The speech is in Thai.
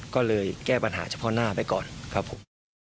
ก็เลยแก้ปัญหาเฉพาะหน้าไปก่อนครับผม